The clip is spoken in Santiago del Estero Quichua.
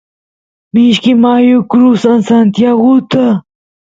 mishki mayu crusan santiaguta